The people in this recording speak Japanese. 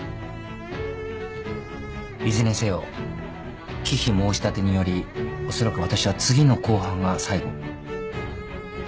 いずれにせよ忌避申し立てによりおそらく私は次の公判が最後。